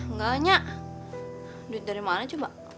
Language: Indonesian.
enggaknya duit dari mana coba